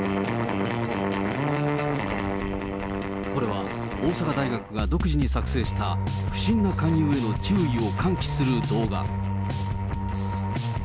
これは大阪大学が独自に作成した、不審な勧誘への注意を喚起する動画。